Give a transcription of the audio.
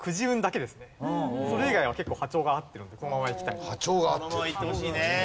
それ以外は結構波長が合ってるのでこのままいきたいなと。